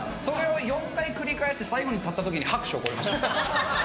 それを４回繰り返して最後に立ったときに拍手起こりました。